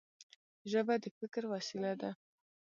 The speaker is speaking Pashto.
ژبه د فکر وسیله ده.